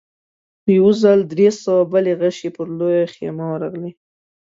په يوه ځل درې سوه بلې غشې پر لويه خيمه ورغلې.